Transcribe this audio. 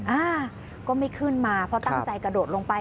อ่าก็ไม่ขึ้นมาเพราะตั้งใจกระโดดลงไป